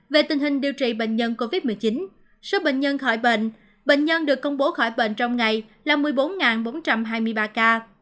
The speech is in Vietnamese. về tình hình điều trị bệnh nhân covid một mươi chín số bệnh nhân khỏi bệnh bệnh nhân được công bố khỏi bệnh trong ngày là một mươi bốn bốn trăm hai mươi ba ca